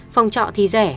phòng trọ thì rẻ